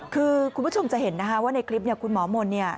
คือคุณผู้ชมจะเห็นนะคะว่าในคลิปเนี่ยคุณหมอมนต์เนี่ย